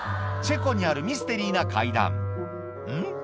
チェコにあるミステリーな階段ん？